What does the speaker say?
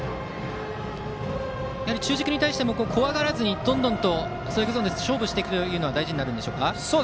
中軸に対しても怖がらずにどんどんとストライクゾーンで勝負していくのが大事になりますか。